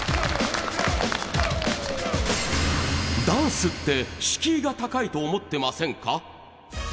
ダンスって敷居が高いと思ってませんか？